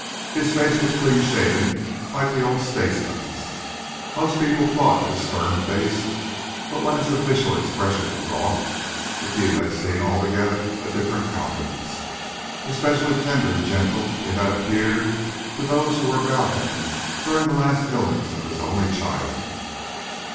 His face was clean shaven, like the old statesmen's. Most people thought it a stern face, but when its official expression was off, a few had seen altogether a different countenance. Especially tender and gentle it had appeared to those who were about him during the last illness of his only child.